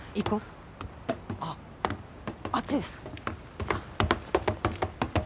あ、あっちです！